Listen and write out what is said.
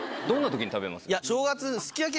どんなときに食べます？